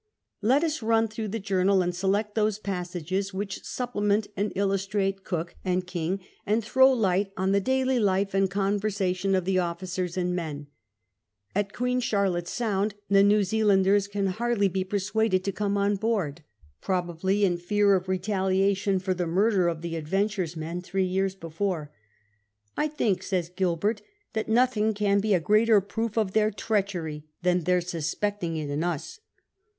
Let us run through the journal and select those passages which supplement and illustrate Cook and King, and throw light on the daily life and conversation of the officers and men. At Queen Charlotte Sound the New Zealanders could hardly l)e pcrsua<led to come on board, probably in fear of retaliation for the murder of the Adrmture's men three years before. " I think," says Oilbert, " that nothing can be a greater proof of their treachery than their suspecting it in us."